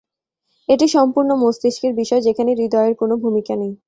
এটি সম্পূর্ণ মস্তিষ্কের বিষয়, যেখানে হৃদয়ের কোনো ভূমিকা নেই।